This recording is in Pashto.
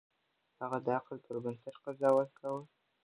هغه د عقل پر بنسټ قضاوت کاوه.